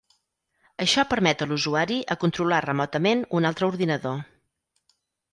Això permet a l'usuari a controlar remotament un altre ordinador.